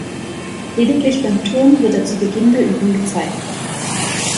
Lediglich beim Turnen wird er zu Beginn der Übung gezeigt.